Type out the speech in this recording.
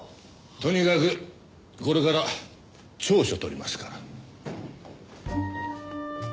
とにかくこれから調書取りますから。